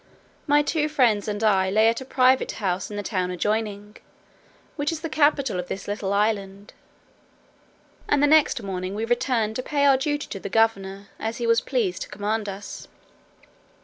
My two friends and I lay at a private house in the town adjoining, which is the capital of this little island; and the next morning we returned to pay our duty to the governor, as he was pleased to command us.